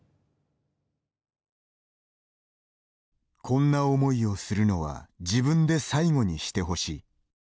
こんな思いをするのは自分で最後にしてほしい。